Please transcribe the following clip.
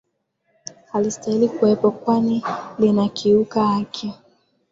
halistahili kuwepo kwani linakiuka haki